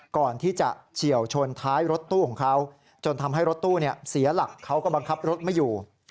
เฉียวชนท้ายรถตู้ของเขาจนทำให้รถตู้เสียหลักเขาก็บังคับรถไม่อยู่